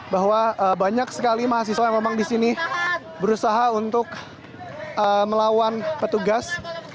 bahwa banyak sekali mahasiswa yang memang di sini berusaha untuk melawan petugas